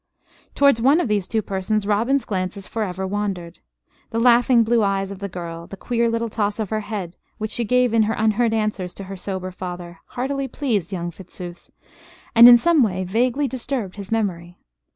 Towards one of these two persons Robin's glances for ever wandered. The laughing blue eyes of the girl, the queer little toss of her head which she gave in her unheard answers to her sober father, heartily pleased young Fitzooth, and in some way vaguely disturbed his memory.